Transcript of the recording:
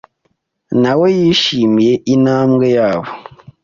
na we yishimiye intambwe yabo